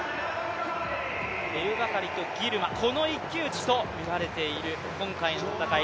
エルバカリとギルマこの一騎打ちとみられている今回の戦い。